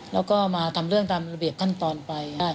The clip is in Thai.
แล้วก็มาทำเรื่องตามระเบียบขั้นตอนไป